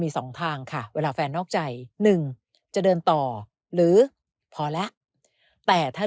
มีสองทางค่ะเวลาแฟนนอกใจหนึ่งจะเดินต่อหรือพอแล้วแต่ถ้า